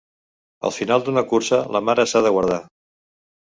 Al final d'una cursa, la mare s'ha de guardar.